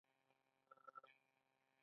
محمدرسول او محمد مې ولیدل.